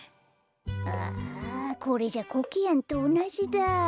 ああこれじゃあコケヤンとおなじだ。